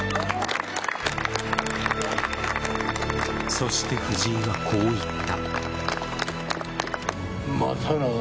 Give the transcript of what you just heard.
そして藤井はこう言った。